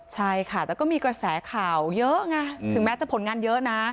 ใช่ค่ะแต่ก็มีกระแสข่าวเยอะไงถึงแม้จะผลงานเยอะนะ